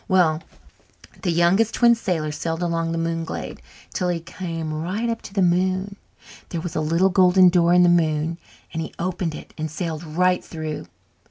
Well, the Youngest Twin Sailor sailed along the moonglade till he came right up to the moon, and there was a little golden door in the moon and he opened it and sailed right through.